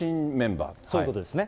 そういうことですね。